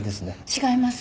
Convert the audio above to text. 違います。